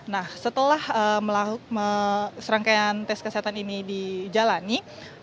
nah setelah serangkaian tes kesehatan ini dijalani